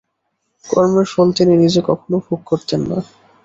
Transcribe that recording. কর্মের ফল তিনি নিজে কখনও ভোগ করতেন না।